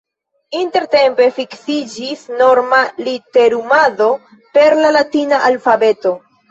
Intertempe fiksiĝis norma literumado per la latina alfabeto.